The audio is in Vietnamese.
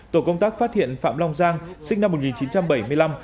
tổ công tác phát hiện phạm long giang sinh năm một nghìn chín trăm bảy mươi năm